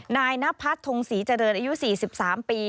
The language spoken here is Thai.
นายนพัฒนทงศรีเจริญอายุ๔๓ปี